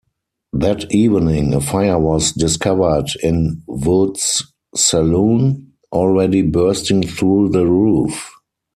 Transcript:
That evening, a fire was discovered in Wood's Saloon, already bursting through the roof.